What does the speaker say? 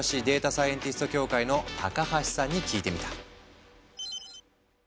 サイエンティスト協会の高橋さんに聞いてみた。